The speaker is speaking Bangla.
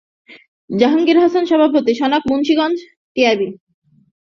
জাহাঙ্গীর হাসানসভাপতি, সনাক, মুন্সিগঞ্জ, টিআইবি।